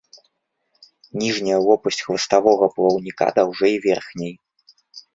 Ніжняя лопасць хваставога плаўніка даўжэй верхняй.